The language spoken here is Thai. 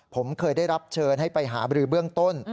ผมเคยได้รับเชิญให้ไปหาบรือเบื้องต้น